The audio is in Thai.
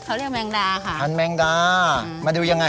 เขามันจะแน๋วกว่าพวกนั้น